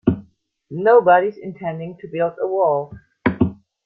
Nobody's intending to build a wall.